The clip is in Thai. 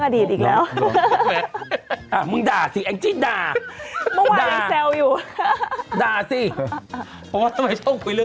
ถ้าบอกปัจจุบันเนี้ยพอมีโทรศัพท์มือถือ